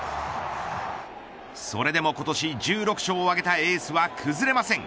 それでも今年１６勝を挙げたエースは崩れません。